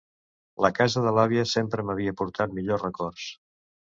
La casa de l'àvia sempre m'havia portat millors records.